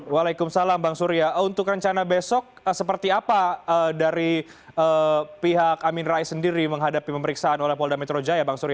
waalaikumsalam bang surya untuk rencana besok seperti apa dari pihak amin rais sendiri menghadapi pemeriksaan oleh polda metro jaya bang surya